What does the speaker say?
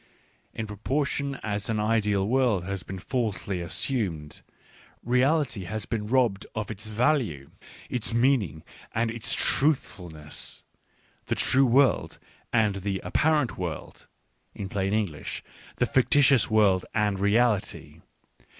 In proportion as an ideal world has been falsely assumed, reality has been robbed of its value, its meaning, and its truthfulness. ... The " true world " and the " ap parent world" — in plain English, the fictitious world and reality.